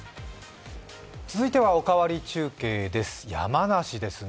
続いては「おかわり中継」です、山梨ですね。